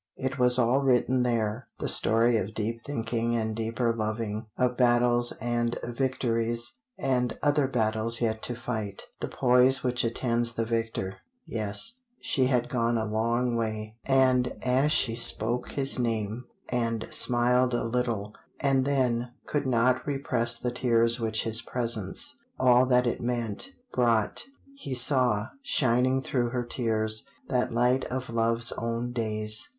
It was all written there the story of deep thinking and deeper loving, of battles and victories, and other battles yet to fight, the poise which attends the victor yes, she had gone a long way. And as she spoke his name, and smiled a little, and then could not repress the tears which his presence, all that it meant, brought, he saw, shining through her tears, that light of love's own days.